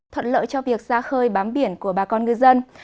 thuận lợi cho việc ra khơi bám biển của bà con ngư dân